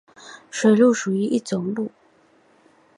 水鹿属哺乳纲偶蹄目的一种鹿。